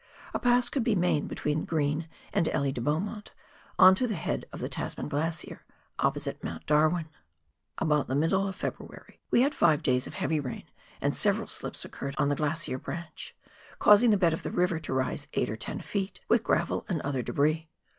A pass could be made between Green and Elie de Beaumont on to the head of the Tasman Glacier, opposite Mount Darwin. About the middle of February we had five days of heavy rain, and several slips occurred on the Glacier Branch, causing the bed of the river to rise eight or ten feet, with gravel and other debris.